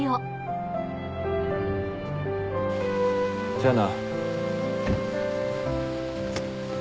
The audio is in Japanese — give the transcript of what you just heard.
じゃあな。